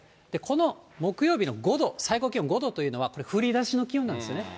この木曜日の５度、最高気温５度というのは、これ、降りだしの気温なんですね、